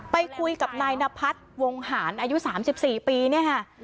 ไปคุยกับนายนพัฒน์วงหารอายุ๓๔ปีเนี่ยค่ะ